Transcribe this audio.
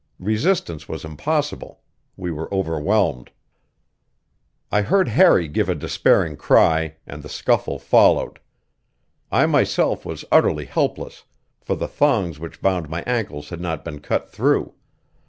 Resistance was impossible; we were overwhelmed. I heard Harry give a despairing cry, and the scuffle followed; I myself was utterly helpless, for the thongs which bound my ankles had not been cut through.